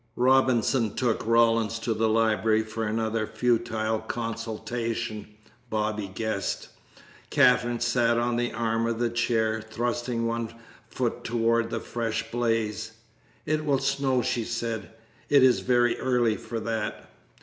Robinson took Rawlins to the library for another futile consultation, Bobby guessed. Katherine sat on the arm of a chair, thrusting one foot toward the fresh blaze. "It will snow," she said. "It is very early for that."